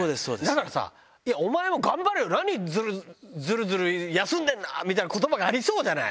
だからさ、いや、お前も頑張れよ、何、ずるずる休んでるんだみたいなことばがありそうじゃない。